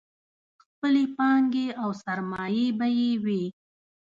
خپلې پانګې او سرمایې به یې وې.